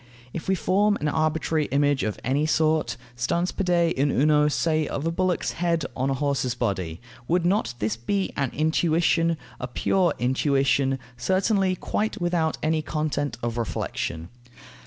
If we form an arbitrary image of any sort, stans pede in uno, say of a bullock's head on a horse's body, would not this be an intuition, a pure intuition, certainly quite without any content of reflexion?